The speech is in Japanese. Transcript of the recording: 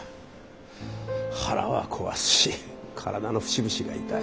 腹は壊すし体の節々が痛い。